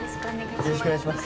よろしくお願いします